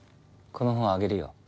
この本あげるよ。